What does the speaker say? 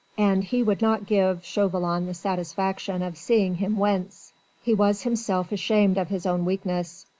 And he would not give Chauvelin the satisfaction of seeing him wince. He was himself ashamed of his own weakness.